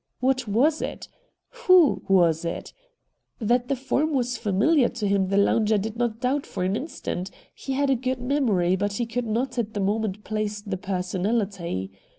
What was it ? Who was it ? That the form was familiar to him the lounger did not doubt for an instant ; he had a good memory but he could not at the moment place the personality.